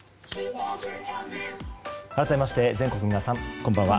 改めまして全国の皆さん、こんばんは。